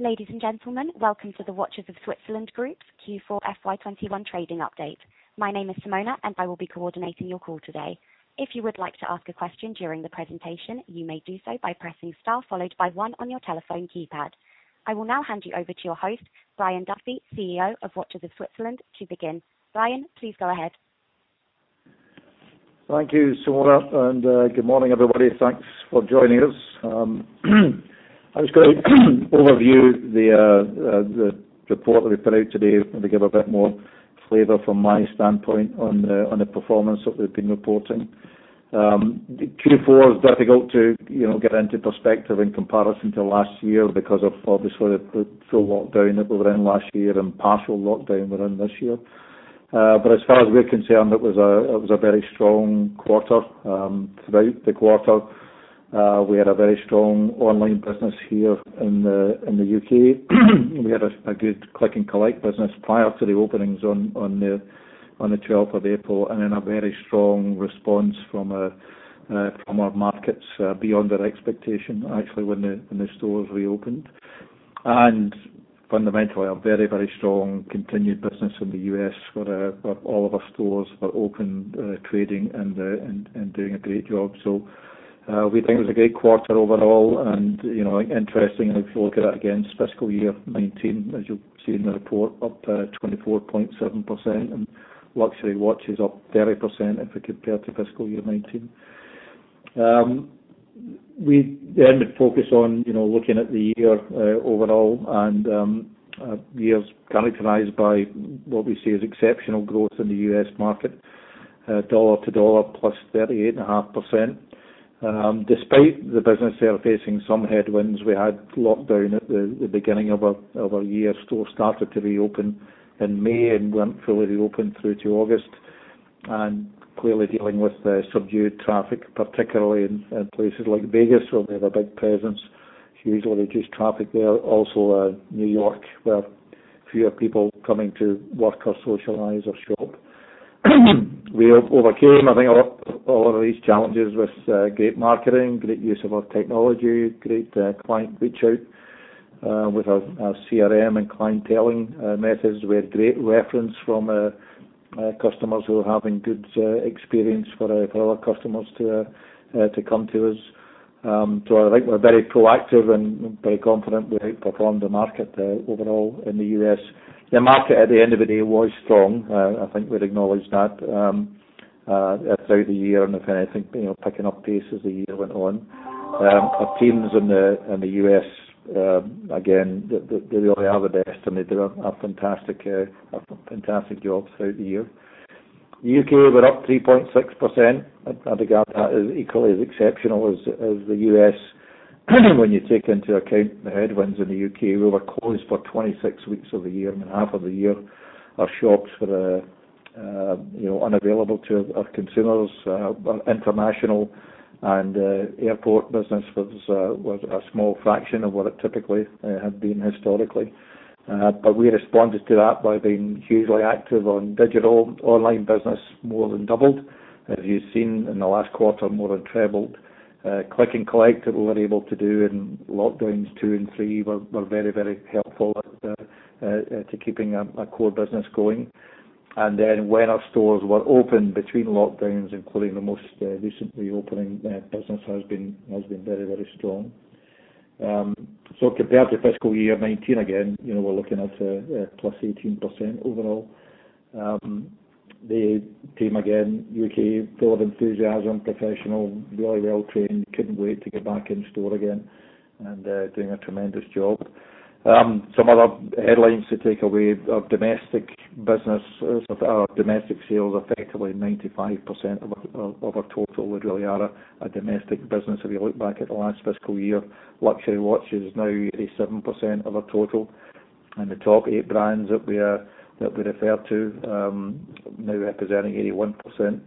Ladies and gentlemen, welcome to the Watches of Switzerland Group's Q4 FY 2021 trading update. My name is Simona, and I will be coordinating your call today. I will now hand you over to your host, Brian Duffy, CEO of Watches of Switzerland, to begin. Brian, please go ahead. Thank you, Simona, and good morning, everybody. Thanks for joining us. I'm just going to overview the report that we put out today and to give a bit more flavor from my standpoint on the performance that we've been reporting. Q4 is difficult to get into perspective in comparison to last year because of, obviously, the full lockdown that we were in last year and partial lockdown we're in this year. As far as we're concerned, it was a very strong quarter. Throughout the quarter, we had a very strong online business here in the U.K. We had a good click and collect business prior to the openings on the 12th of April, and then a very strong response from our markets beyond our expectation, actually, when the stores reopened. Fundamentally, a very, very strong continued business in the U.S., where all of our stores are open, trading, and doing a great job. We think it was a great quarter overall, and interestingly, if you look at it against FY 2019, as you'll see in the report, up 24.7%, and luxury watches up 30% if we compare to FY 2019. We would focus on looking at the year overall, and the year's characterized by what we see as exceptional growth in the U.S. market, dollar to dollar, plus 38.5%. Despite the business there facing some headwinds, we had lockdown at the beginning of our year. Stores started to reopen in May and weren't fully reopened through to August. Clearly dealing with the subdued traffic, particularly in places like Vegas, where we have a big presence, hugely reduced traffic there. New York, where fewer people coming to work or socialize or shop. We overcame, I think, a lot of these challenges with great marketing, great use of our technology, great client reach out with our CRM and clienteling methods. We had great reference from customers who were having good experience for other customers to come to us. I think we're very proactive and very confident we outperformed the market overall in the U.S. The market, at the end of the day, was strong. I think we'd acknowledge that throughout the year, and if anything, picking up pace as the year went on. Our teams in the U.S., again, they really are the best, and they did a fantastic job throughout the year. U.K. were up 3.6%, and I think that is equally as exceptional as the U.S. when you take into account the headwinds in the U.K. We were closed for 26 weeks of the year, I mean, half of the year. Our shops were unavailable to our consumers. Our international and airport business was a small fraction of what it typically had been historically. We responded to that by being hugely active on digital. Online business more than doubled. As you've seen in the last quarter, more than trebled. Click and collect that we were able to do in lockdowns two and three were very, very helpful to keeping a core business going. When our stores were open between lockdowns, including the most recent reopening, business has been very, very strong. Compared to fiscal year 2019, again, we're looking at a plus 18% overall. The team, again, U.K., full of enthusiasm, professional, really well-trained, couldn't wait to get back in store again, and doing a tremendous job. Some other headlines to take away. Our domestic business, our domestic sales are effectively 95% of our total. We really are a domestic business. If you look back at the last fiscal year, luxury watches is now 87% of our total. The top eight brands that we refer to now representing 81%.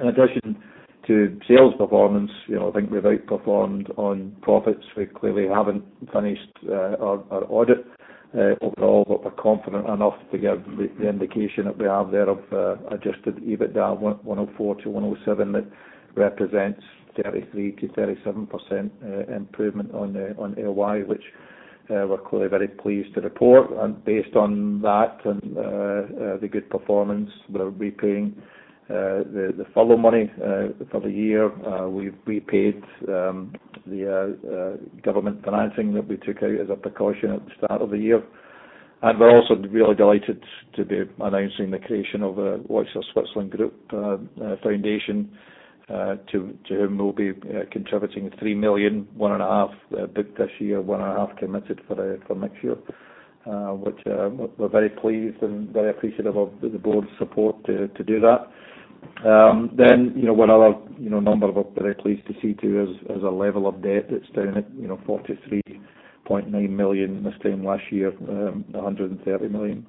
In addition to sales performance, I think we've outperformed on profits. We clearly haven't finished our audit overall, but we're confident enough to give the indication that we have there of adjusted EBITDA, 104-107. That represents 33%-37% improvement on FY, which we're clearly very pleased to report. Based on that and the good performance, we're repaying the furlough money for the year. We've repaid the government financing that we took out as a precaution at the start of the year. We're also really delighted to be announcing the creation of a Watches of Switzerland Group Foundation to whom we'll be contributing 3 million, 1.5 million booked this year, 1.5 million committed for next year, which we're very pleased and very appreciative of the board's support to do that. One other number we're very pleased to see, too, is our level of debt that's down at 43.9 million. This time last year, 130 million.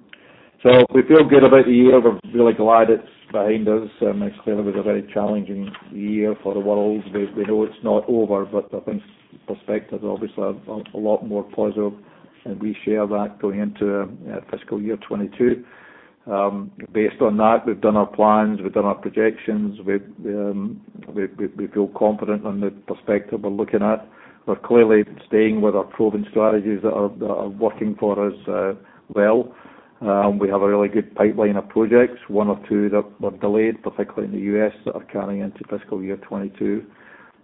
We feel good about the year. We're really glad it's behind us, and it clearly was a very challenging year for the world. We know it's not over, but I think perspective, obviously, a lot more positive. We share that going into FY 2022. Based on that, we've done our plans, we've done our projections, we feel confident in the perspective we're looking at. We're clearly staying with our proven strategies that are working for us well. We have a really good pipeline of projects, one or two that were delayed, particularly in the U.S., that are carrying into fiscal year 2022.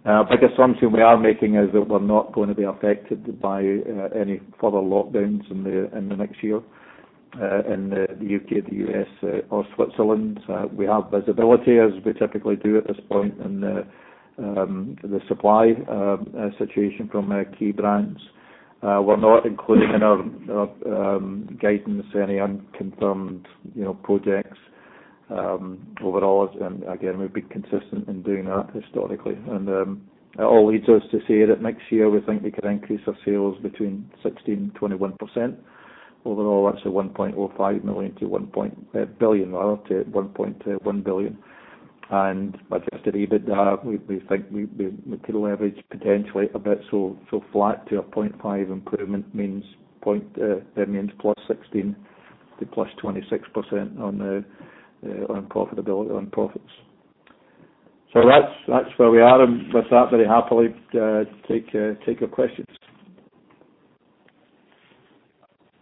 A big assumption we are making is that we're not going to be affected by any further lockdowns in the next year, in the U.K., the U.S., or Switzerland. We have visibility, as we typically do at this point, in the supply situation from key brands. Again, we've been consistent in doing that historically. It all leads us to say that next year we think we can increase our sales between 16% and 21%. Overall, that's 1.05 billion-1.1 billion. Adjusted EBITDA, we think we could leverage potentially a bit. Flat to a 0.5 improvement means +16% to +26% on profitability, on profits. That's where we are. With that, very happily take your questions.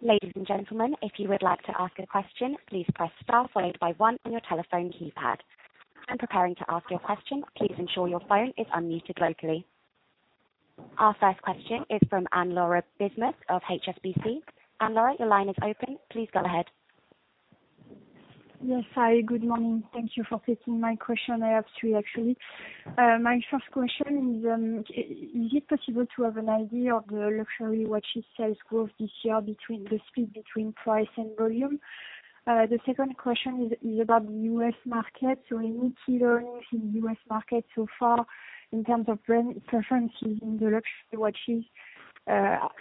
Ladies and gentlemen, if you would like to ask a question, please press star followed by one on your telephone keypad. When preparing to ask your question, please ensure your phone is unmuted locally. Our first question is from Anne-Laure Bismuth of HSBC. Anne-Laure, your line is open. Please go ahead. Yes, hi. Good morning. Thank you for taking my question. I have three, actually. My first question is it possible to have an idea of the luxury watches sales growth this year between the split between price and volume? The second question is about the U.S. market. Any key learnings in the U.S. market so far in terms of brand preferences in the luxury watches.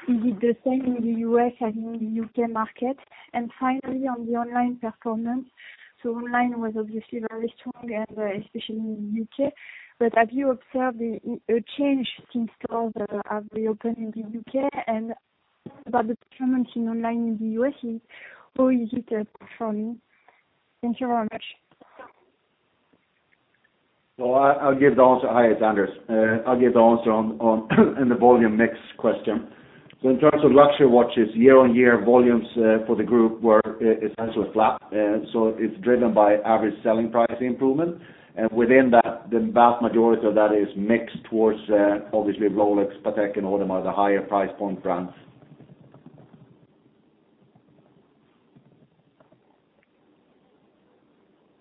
Is it the same in the U.S. and in the U.K. market? Finally, on the online performance, online was obviously very strong and especially in the U.K. Have you observed a change since stores have reopened in the U.K.? About the performance in online in the U.S., how is it performing? Thank you very much. I'll give the answer. Hi, it's Anders. I'll give the answer on the volume mix question. In terms of luxury watches, year-on-year volumes for the group were essentially flat. It's driven by average selling price improvement. Within that, the vast majority of that is mixed towards, obviously, Rolex, Patek, and Audemars, the higher price point brands.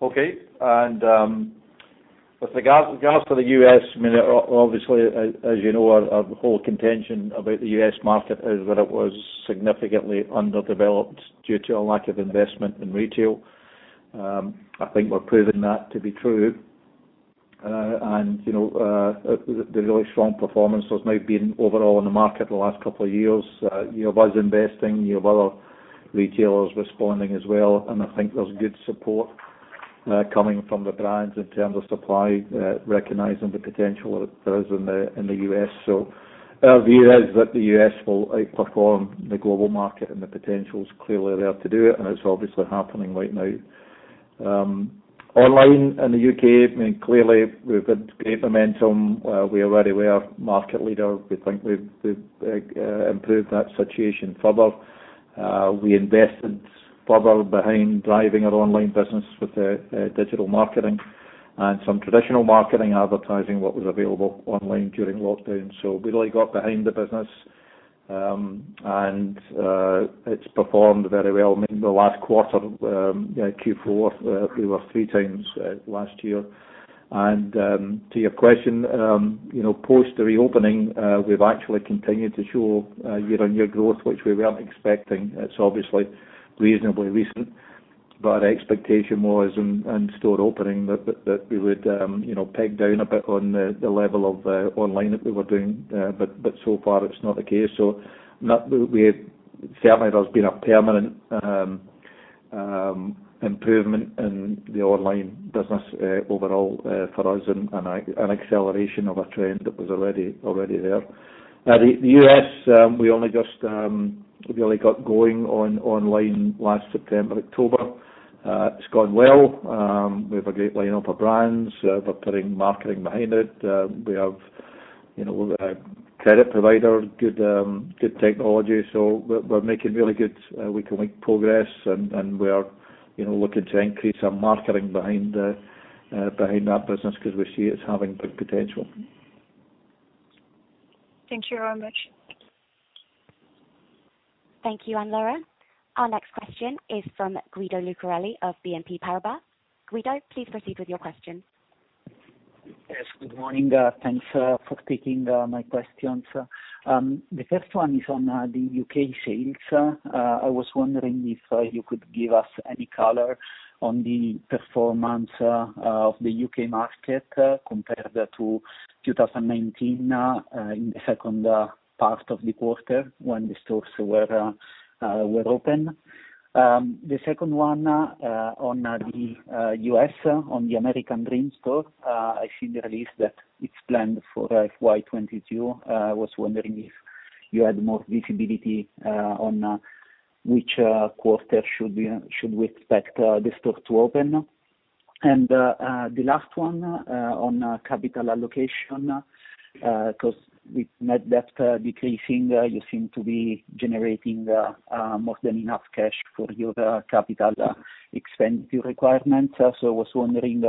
Okay. With regards to the U.S., obviously, as you know, our whole contention about the U.S. market is that it was significantly underdeveloped due to a lack of investment in retail. I think we're proving that to be true. The really strong performance there's now been overall in the market the last couple of years, you have us investing, you have other retailers responding as well, and I think there's good support coming from the brands in terms of supply, recognizing the potential that there is in the U.S. Our view is that the U.S. will outperform the global market, and the potential is clearly there to do it, and it's obviously happening right now. Online in the U.K., clearly we've had great momentum. We already were market leader. We think we've improved that situation further. We invested further behind driving our online business with digital marketing and some traditional marketing, advertising what was available online during lockdown. We really got behind the business, and it's performed very well. The last quarter, Q4, we were three times last year. To your question, post the reopening, we've actually continued to show year-on-year growth, which we weren't expecting. It's obviously reasonably recent, but our expectation was in store opening that we would peg down a bit on the level of online that we were doing. So far, it's not the case. Certainly, there's been a permanent improvement in the online business overall for us and an acceleration of a trend that was already there. The U.S., we only just really got going online last September, October. It's gone well. We have a great line-up of brands. We're putting marketing behind it. We have a credit provider, good technology. We're making really good week-to-week progress, and we're looking to increase our marketing behind that business because we see it's having big potential. Thank you very much. Thank you, Anne-Laure. Our next question is from Guido Lucarelli of BNP Paribas. Guido, please proceed with your question. Yes, good morning. Thanks for taking my questions. The first one is on the U.K. sales. I was wondering if you could give us any color on the performance of the U.K. market compared to 2019 in the second part of the quarter when the stores were open. The second one on the U.S., on the American Dream store. I see the release that it's planned for FY 2022. I was wondering if you had more visibility on which quarter should we expect the store to open. The last one on capital allocation, because with net debt decreasing, you seem to be generating more than enough cash for your capital expenditure requirements. I was wondering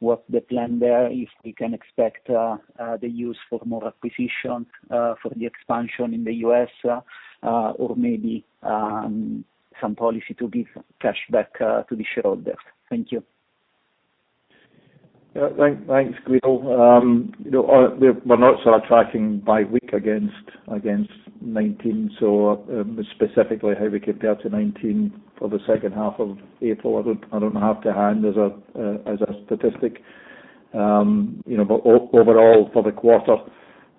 what the plan there, if we can expect the use for more acquisitions for the expansion in the U.S. or maybe some policy to give cash back to the shareholders. Thank you. Thanks, Guido. We're not sort of tracking by week against 2019, so specifically how we compare to 2019 for the second half of April, I don't have to hand as a statistic. Overall for the quarter,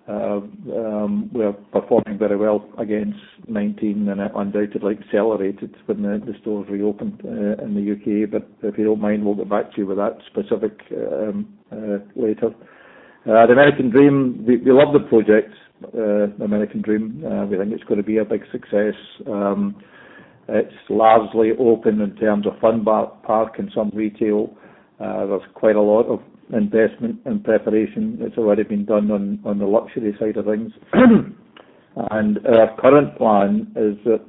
we are performing very well against 2019, and undoubtedly accelerated when the stores reopened in the U.K. If you don't mind, we'll get back to you with that specific later. The American Dream, we love the project, the American Dream. We think it's going to be a big success. It's largely open in terms of fun park and some retail. There's quite a lot of investment and preparation that's already been done on the luxury side of things. Our current plan is that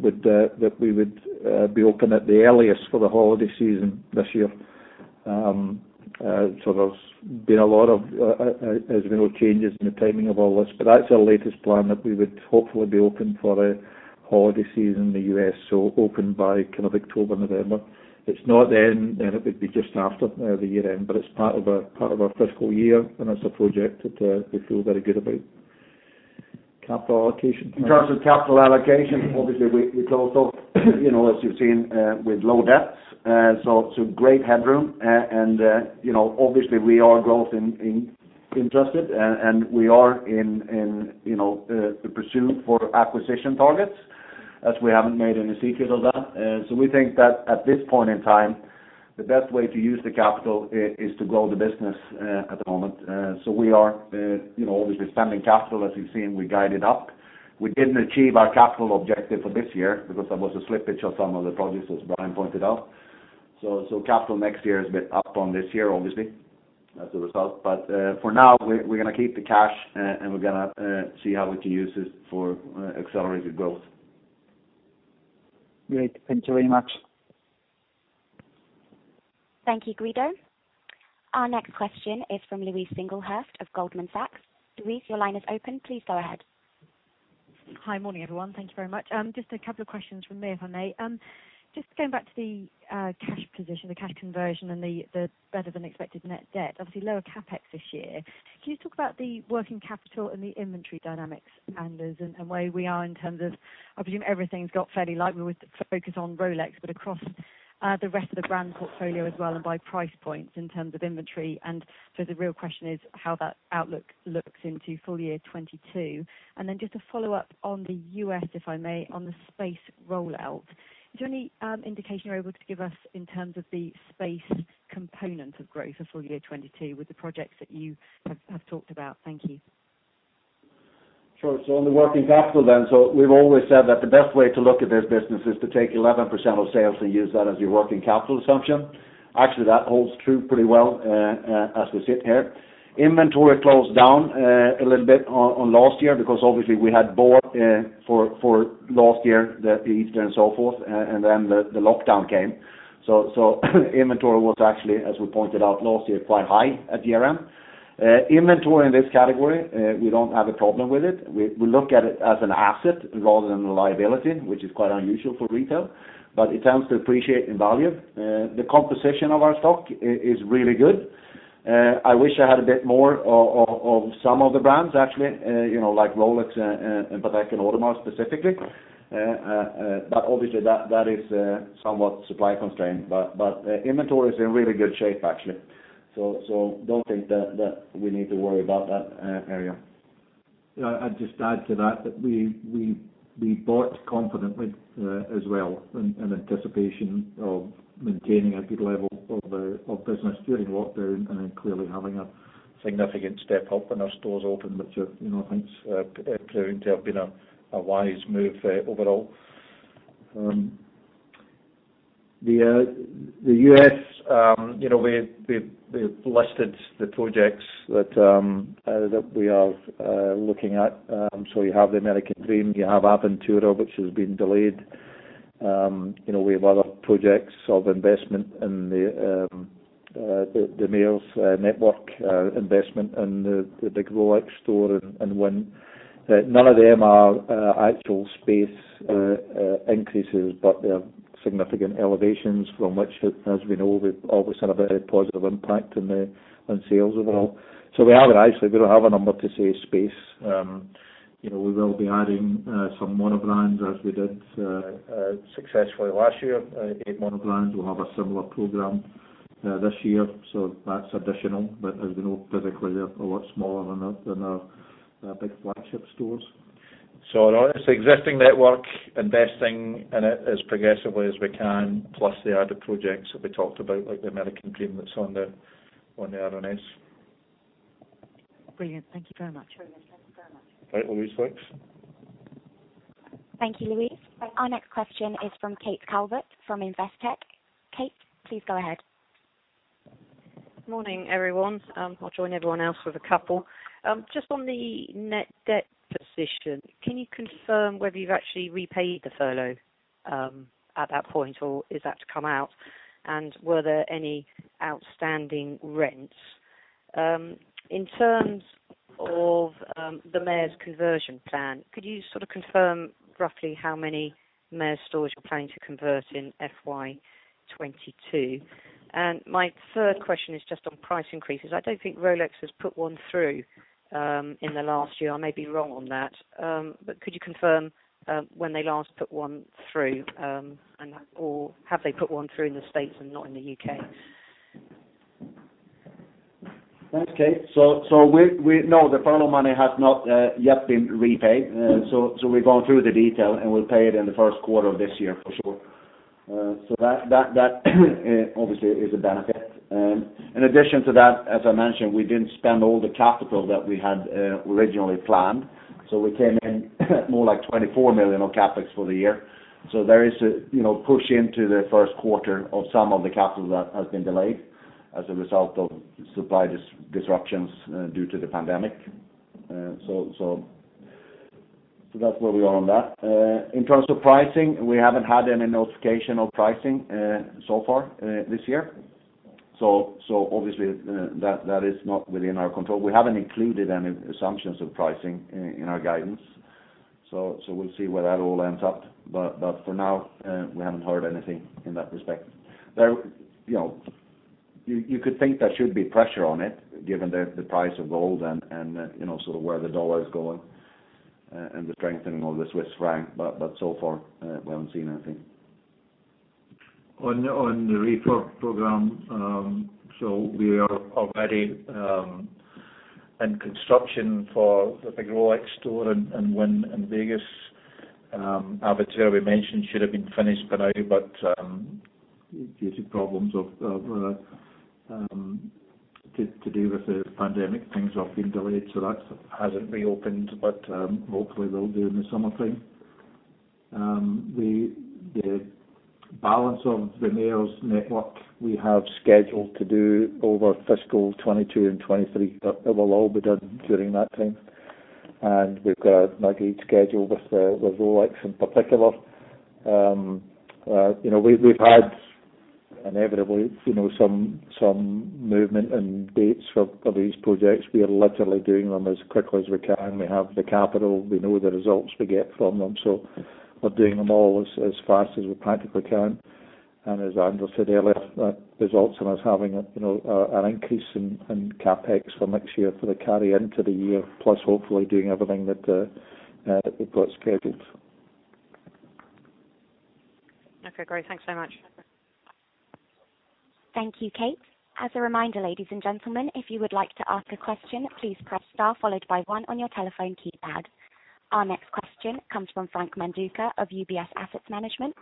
we would be open at the earliest for the holiday season this year. There's been a lot of real changes in the timing of all this, but that's our latest plan that we would hopefully be open for the holiday season in the U.S., so open by October, November. It's not then, and it would be just after the year-end, but it's part of our fiscal year, and it's a project that we feel very good about. Capital allocation. In terms of capital allocation, obviously, we talked of as you've seen with low debt, so some great headroom. Obviously we are growth interested, and we are in the pursuit for acquisition targets, as we haven't made any secret of that. We think that at this point in time, the best way to use the capital is to grow the business at the moment. We are obviously spending capital. As you've seen, we guided up. We didn't achieve our capital objective for this year because there was a slippage of some of the projects, as Brian pointed out. Capital next year is a bit up on this year, obviously, as a result. For now, we're going to keep the cash, and we're going to see how we can use it for -growth. Great. Thank you very much. Thank you, Guido. Our next question is from Louise Singlehurst of Goldman Sachs. Louise, your line is open. Please go ahead. Hi, morning, everyone. Thanks very much. Two questions from me, if I may. Going back to the cash position, the cash conversion and the better-than-expected net debt, obviously lower CapEx this year. Can you talk about the working capital and the inventory dynamics angles and where we are in terms of, obviously, everything's not fairly light. We focus on Rolex, across the rest of the brand portfolio as well by price points in terms of inventory. The real question is how that outlook looks into full year 2022. A follow-up on the U.S., if I may, on the space rollout. Is there any indication you're able to give us in terms of the space component of growth for full year 2022 with the projects that you have talked about? Thank you. Sure. On the working capital then. We've always said that the best way to look at this business is to take 11% of sales and use that as your working capital assumption. Actually, that holds true pretty well as we sit here. Inventory closed down a little bit on last year because obviously we had bought for last year the Easter and so forth, and then the lockdown came. Inventory was actually, as we pointed out last year, quite high at year-end. Inventory in this category, we don't have a problem with it. We look at it as an asset rather than a liability, which is quite unusual for retail, but it tends to appreciate in value. The composition of our stock is really good. I wish I had a bit more of some of the brands actually, like Rolex and Patek Philippe specifically. Obviously that is somewhat supply constrained, but the inventory is in really good shape actually. Don't think that we need to worry about that area. I'd just add to that we bought confidently as well in anticipation of maintaining a good level of business during the lockdown and clearly having a significant step-up when our stores opened, which I think has proved to have been a wise move overall. The U.S., we've listed the projects that we are looking at. You have the American Dream, you have Aventura, which has been delayed. We have other projects of investment in the malls network investment in the big Rolex store in one. None of them are actual space increases, but they're significant elevations from which, as we know, we've always had a very positive impact on sales overall. We actually do have a number to save space. We will be adding some monobrand, as we did successfully last year. Eight monobrand. We'll have a similar program this year, that's additional. As you know, critically, they're a lot smaller than our big flagship stores. Our existing network, investing in it as progressively as we can, plus the other projects that we talked about, like the American Dream that's on the RNS. Brilliant. Thank you very much. All right. No worries, folks. Thank you, Louise. Our next question is from Kate Calvert from Investec. Kate, please go ahead. Morning, everyone. I'll join everyone else with a couple. Just on the net debt position, can you confirm whether you've actually repaid the furlough at that point, or is that to come out, and were there any outstanding rents? In terms of the Mayors conversion plan, could you sort of confirm roughly how many Mayors stores you plan to convert in FY 2022? My third question is just on price increases. I don't think Rolex has put one through in the last year. I may be wrong on that. Could you confirm when they last put one through and or have they put one through in the U.S. and not in the U.K.? We know the furlough money has not yet been repaid. We're going through the detail, and we'll pay it in the first quarter of this year for sure. That obviously is a benefit. In addition to that, as I mentioned, we didn't spend all the capital that we had originally planned. We came in more like 24 million of CapEx for the year. There is a push into the first quarter of some of the capital that has been delayed as a result of supply disruptions due to the pandemic. That's where we are on that. In terms of pricing, we haven't had any notification on pricing so far this year. Obviously that is not within our control. We haven't included any assumptions of pricing in our guidance. We'll see where that all ends up. For now, we haven't heard anything in that respect. You could think there should be pressure on it given the price of gold and sort of where the dollar is going and the strengthening of the Swiss franc. So far we haven't seen anything. On the refurb program. We are already in construction for the big Rolex store in Wynn in Vegas. Aventura, we mentioned should have been finished by now, but due to problems to do with the pandemic, things have been delayed. That hasn't reopened, but hopefully will do in the summertime. The balance of the Mayors network we have scheduled to do over fiscal 2022 and 2023, but it will all be done during that time. We've got a nugget schedule with Rolex in particular. We've had inevitably some movement in dates for these projects. We are literally doing them as quickly as we can. We have the capital. We know the results we get from them. We're doing them all as fast as we practically can. As Anders said earlier, that results in us having an increase in CapEx for next year for the carry into the year, plus hopefully doing everything that we've got scheduled. Okay, great. Thanks so much. Thank you, Kate. As a reminder, ladies and gentlemen, if you would like to ask a question, please press star followed by one on your telephone keypad. Our next question comes from Flavio Cereda-Manduca of UBS Asset Management.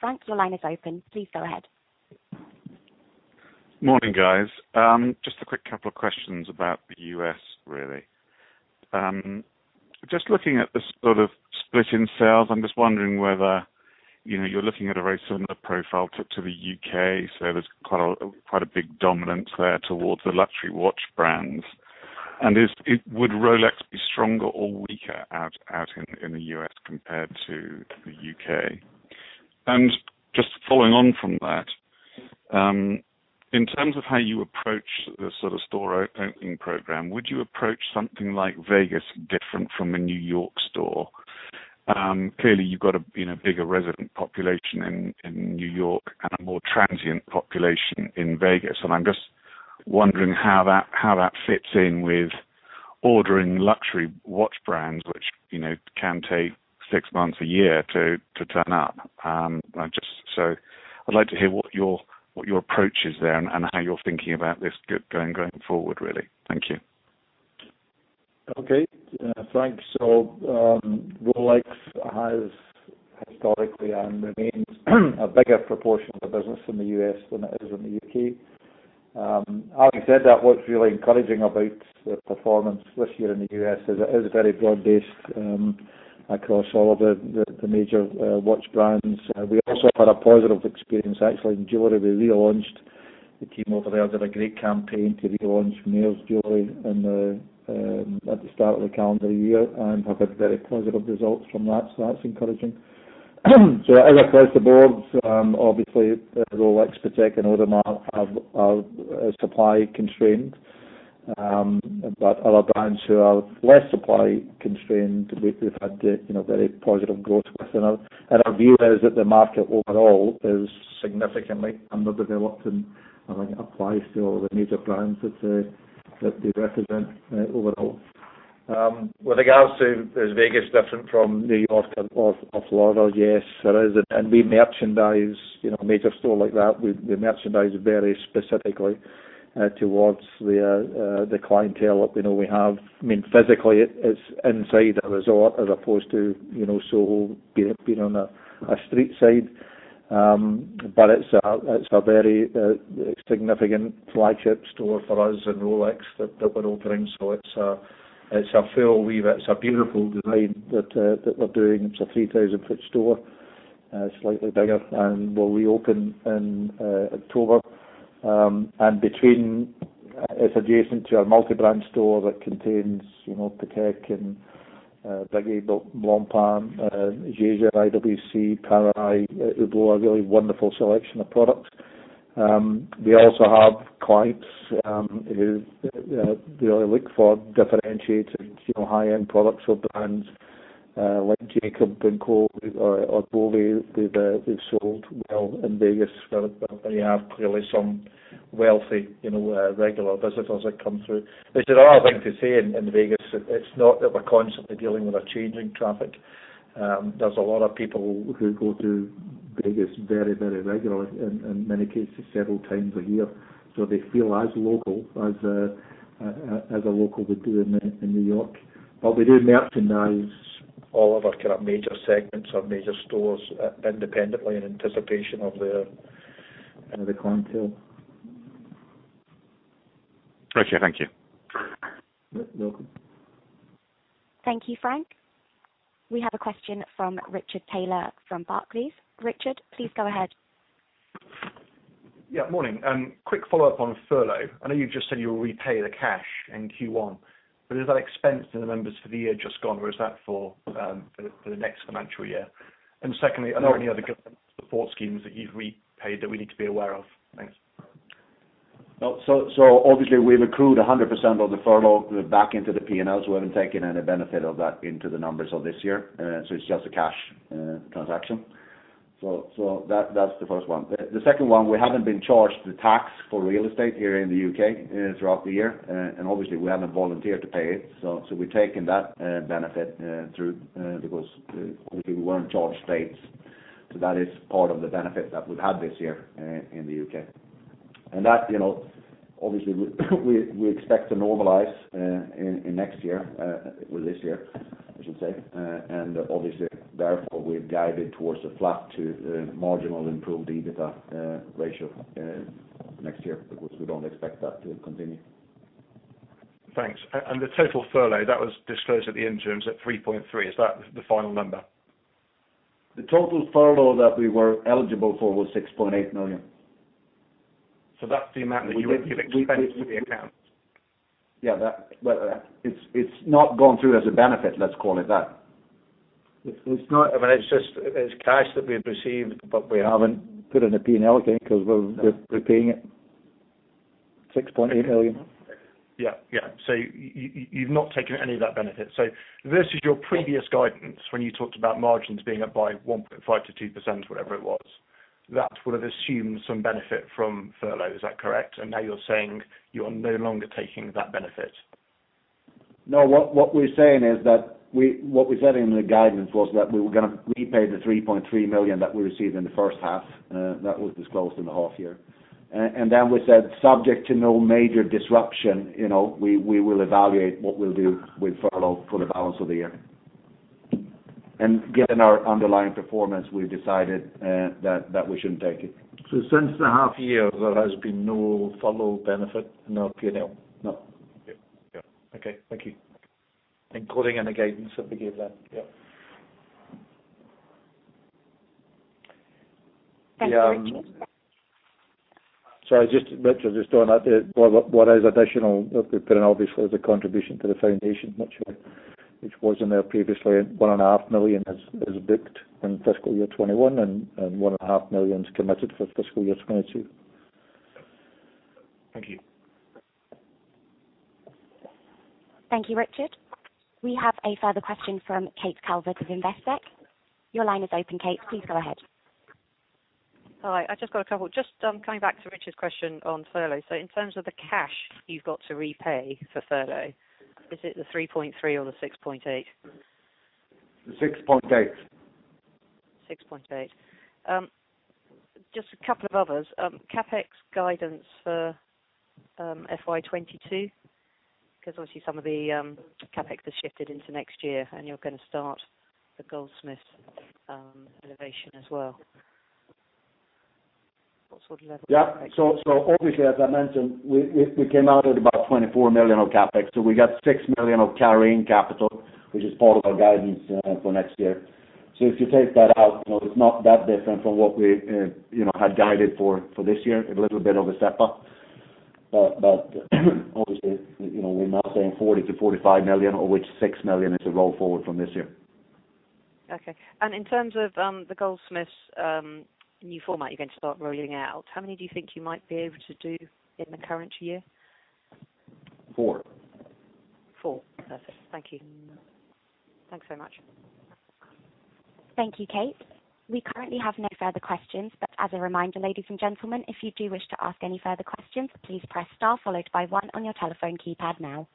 Flavio, your line is open. Please go ahead. Morning, guys. A quick couple of questions about the U.S. really. Looking at the sort of split in sales, I'm just wondering whether you're looking at a very similar profile to the U.K. There's quite a big dominance there towards the luxury watch brands. Would Rolex be stronger or weaker out in the U.S. compared to the U.K.? Following on from that, in terms of how you approach the sort of store opening program, would you approach something like Vegas different from the New York store? Clearly, you've got a bigger resident population in New York and a more transient population in Vegas. I'm just wondering how that fits in with ordering luxury watch brands, which can take six months, a year to turn up. I'd like to hear what your approach is there and how you're thinking about this going forward really. Thank you. Okay. Flavio, Rolex has historically and remains a bigger proportion of the business in the U.S. than it is in the U.K. Having said that, what's really encouraging about the performance this year in the U.S. is it is very broad-based across all of the major watch brands. We also had a positive experience actually in jewelry. We relaunched the team over there did a great campaign to relaunch Mayors jewelry at the start of the calendar year and have had very positive results from that. That's encouraging. As applied to boards, obviously Rolex in particular have a supply constraint. Other brands who are less supply constrained, we've had very positive growth with. Our view is that the market overall is significantly underdeveloped and I think applies to all the major brands that they represent overall. With regards to is Vegas different from New York or Florida? Yes, it is. We merchandise a major store like that, very specifically towards the clientele that we have. Physically, it's inside a resort as opposed to Soho being on a street side. It's a very significant flagship store for us and Rolex that we're opening. It's a fair weave. It's a beautiful design that we're doing. It's a 3,000-foot store slightly bigger, and will reopen in October. It's adjacent to our multi-brand store that contains Patek and Breguet, Blancpain, Jaeger, IWC, Panerai, Hublot, a really wonderful selection of products. We also have clients who really look for differentiating high-end products or brands like Jacob & Co. or Bovet they've sold well in Vegas, where they have clearly some wealthy regular visitors that come through. As there are, I think the same in Vegas, it's not that we're constantly dealing with a changing traffic. There's a lot of people who go to Vegas very regularly, in many cases, several times a year. They feel as local as a local would do in New York. We do merchandise all of our major segments or major stores independently in anticipation of the clientele. Okay. Thank you. You're welcome. Thank you, Flavio. We have a question from Richard Taylor from Barclays. Richard, please go ahead. Yeah, morning. Quick follow-up on furlough. I know you've just said you'll repay the cash in Q1. Is that expense to the members for the year just gone or is that for the next financial year? Are there any other government support schemes that you've repaid that we need to be aware of? Thanks. Obviously we've accrued 100% of the furlough back into the P&L, so we haven't taken any benefit of that into the numbers of this year. It's just a cash transaction. That's the first one. The second one, we haven't been charged the tax for real estate here in the U.K. throughout the year. Obviously, we haven't volunteered to pay it. We've taken that benefit through because obviously we weren't charged rates. That is part of the benefit that we've had this year in the U.K. That obviously we expect to normalize in next year, well, this year, I should say. Obviously, therefore, we've guided towards a flat to marginal improved EBITDA ratio next year because we don't expect that to continue. Thanks. The total furlough that was disclosed at the interims at 3.3, is that the final number? The total furlough that we were eligible for was 6.8 million. That's the amount that you wouldn't get expensed through the accounts? Yeah. It's not gone through as a benefit, let's call it that. It's cash that we've received, but we haven't put in a P&L thing because we're repaying it. 6.8 million. Yeah. You've not taken any of that benefit. Versus your previous guidance when you talked about margins being up by 1.5% to 2%, whatever it was. That would've assumed some benefit from furlough. Is that correct? Now you're saying you are no longer taking that benefit. No, what we said in the guidance was that we were going to repay the 3.3 million that we received in the first half. That was disclosed in the half year. Then we said subject to no major disruption, we will evaluate what we'll do with furlough for the balance of the year. Given our underlying performance, we've decided that we shouldn't take it. Since the half year, there has been no furlough benefit in our P&L? No. Yeah. Okay. Thank you. Including any guidance that we gave then. Yeah. Thanks, Richard. Sorry, Richard, just on that, what is additional that we put in obviously was a contribution to the Foundation, which wasn't there previously, and 1.5 million is booked in fiscal year 2021 and 1.5 million is committed for fiscal year 2022. Thank you. Thank you, Richard. We have a further question from Kate Calvert of Investec. Your line is open, Kate. Please go ahead. Hi. I've just got a couple. Just coming back to Richard's question on furlough. In terms of the cash you've got to repay for furlough, is it the 3.3 or the 6.8? The 6.8. 6.8. Just a couple of others. CapEx guidance for FY 2022, obviously some of the CapEx has shifted into next year and you're going to start the Goldsmiths renovation as well. What sort of level- Yeah. Obviously, as I mentioned, we came out at about 24 million of CapEx. We got 6 million of carrying capital, which is part of our guidance for next year. If you take that out, it's not that different from what we had guided for this year. A little bit of a step up. Obviously, we're now saying 40 million-45 million, of which 6 million is a roll forward from this year. Okay. In terms of the Goldsmiths new format you're going to start rolling out, how many do you think you might be able to do in the current year? Four. Four. Perfect. Thank you. Thanks so much. Thank you, Kate. As a reminder, ladies and gentlemen, if you do wish to ask any further questions, please press star followed by one on your telephone keypad now.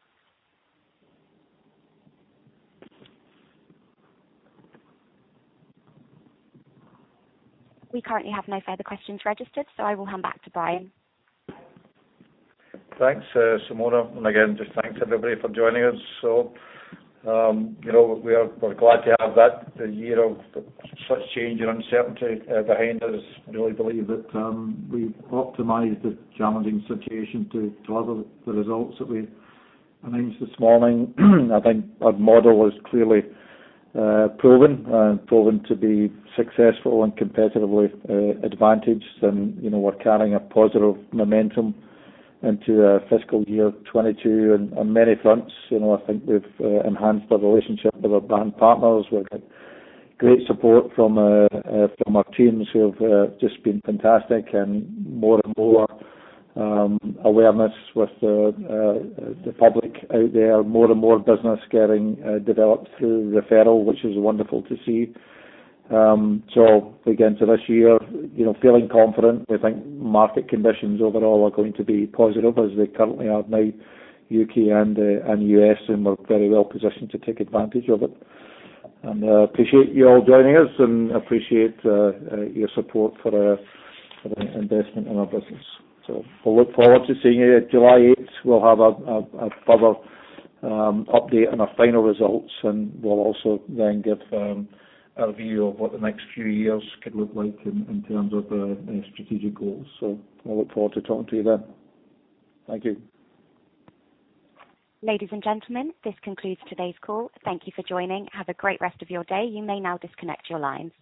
We currently have no further questions registered. I will hand back to Brian. Thanks, Simona. Again, just thanks everybody for joining us. We're glad to have that year of such change and uncertainty behind us. I really believe that we've optimized the challenging situation to drive the results that we announced this morning. I think our model is clearly proven to be successful and competitively advantaged. We're carrying a positive momentum into FY 2022 on many fronts. I think we've enhanced our relationship with our brand partners. We've had great support from our teams who have just been fantastic, more and more awareness with the public out there, more and more business getting developed through referral, which is wonderful to see. We go into this year feeling confident. We think market conditions overall are going to be positive as they currently are now, U.K. and U.S., and we're very well positioned to take advantage of it. I appreciate you all joining us, and appreciate your support for investing in our business. I look forward to seeing you July 8th. We'll have a further update on our final results, and we'll also then give our view of what the next few years could look like in terms of strategic goals. I look forward to talking to you then. Thank you. Ladies and gentlemen, this concludes today's call. Thank you for joining. Have a great rest of your day. You may now disconnect your lines.